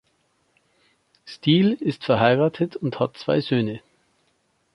Steele ist verheiratet und hat zwei Söhne.